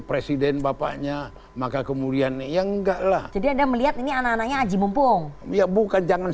presiden bapaknya maka kemudiannya enggaklah jadi ada melihat ini anaknya aji mumpung ya bukan jangan